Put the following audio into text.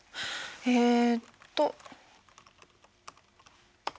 えっと。